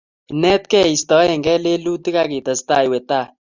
Inetkei iistoegei lelutik ak itestai iwe tai